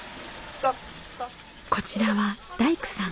こちらは大工さん。